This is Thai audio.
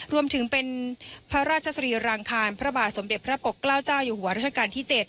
รวมถึงเป็นพระราชสรีรางคารพระบาทสมเด็จพระปกเกล้าเจ้าอยู่หัวราชการที่๗